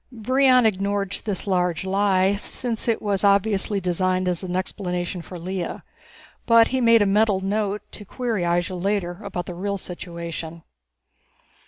Brion ignored this large lie, since it was obviously designed as an explanation for Lea. But he made a mental note to query Ihjel later about the real situation.